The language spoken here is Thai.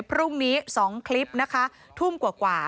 พรุ่งนี้สองคลิปนะคะทุ่มกว่ากว่า